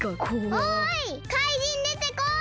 おいかいじんでてこい！